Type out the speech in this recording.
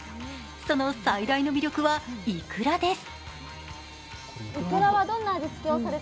その最大の魅力はいくらです。